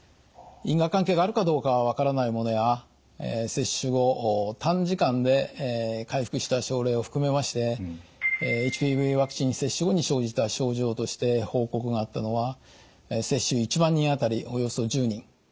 因果関係があるかどうかは分からないものや接種後短時間で回復した症例を含めましてＨＰＶワクチン接種後に生じた症状として報告があったのは接種１万人当たりおよそ１０人。